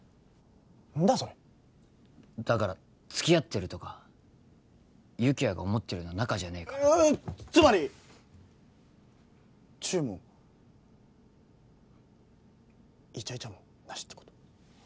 何だそれだからつきあってるとか有起哉が思ってるような仲じゃねえからつまりチューもイチャイチャもなしってこと？